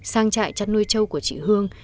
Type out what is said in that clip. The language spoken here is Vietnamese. sang trại chăn nuôi trâu của chị hương